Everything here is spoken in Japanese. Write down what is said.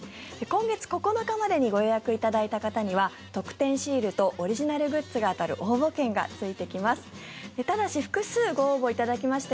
今月９日までにご予約いただいた方には特典シールとオリジナルグッズが当たる応募券がついてきます。